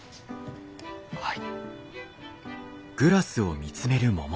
はい。